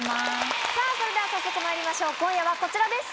それでは早速まいりましょう今夜はこちらです。